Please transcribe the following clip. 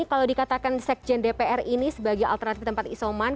kalau dikatakan sekjen dpr ini sebagai alternatif tempat isoman